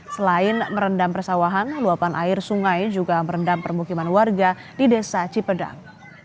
selain merendam persawahan luapan air sungai juga merendam permukiman warga di desa cipedang